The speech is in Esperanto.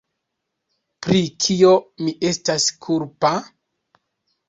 Pri kio mi estas kulpa?